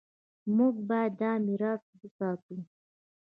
موږ باید دا میراث وساتو.